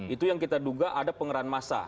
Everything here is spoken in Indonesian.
itu yang kita duga ada pengerahan masa